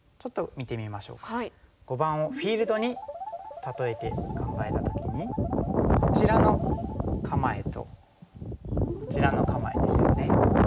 碁盤をフィールドに例えて考えた時にこちらの構えとこちらの構えですよね。